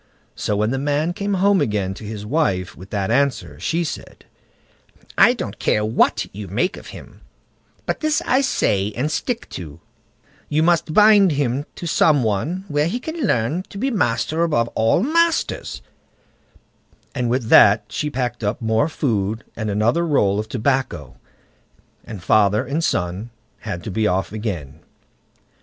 So when the man came home again to his wife with that answer, she said: "I don't care what you make of him; but this I say and stick to, you must bind him to some one where he can learn to be master above all masters"; and with that she packed up more food and another roll of tobacco, and father and son had to be off again.